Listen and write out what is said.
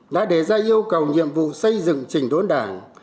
đã đề ra yêu cầu nhiệm vụ xây dựng trình đốn đảng